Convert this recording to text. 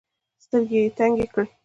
سترګي یې تنګي کړې .